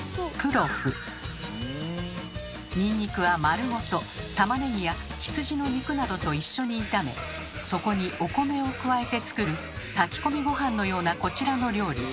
ニンニクは丸ごとタマネギや羊の肉などと一緒に炒めそこにお米を加えて作る炊き込みごはんのようなこちらの料理。